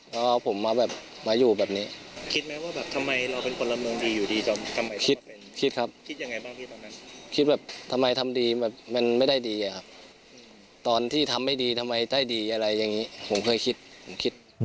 แล้วเอาผมมาแบบมาอยู่แบบนี้คิดไหมว่าแบบทำไมเราเป็นคนละเมืองดีอยู่ดีทำไมคิดเป็นคิดครับคิดยังไงบ้างพี่ตอนนั้นคิดแบบทำไมทำดีแบบมันไม่ได้ดีอะครับตอนที่ทำไม่ดีทำไมได้ดีอะไรอย่างนี้ผมเคยคิดผมคิด